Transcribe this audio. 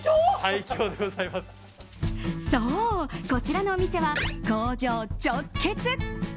そう、こちらのお店は工場直結。